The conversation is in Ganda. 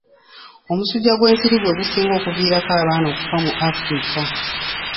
Omusujja gw'ensiri gwe gusinga okuviirako abaana okufa mu Africa.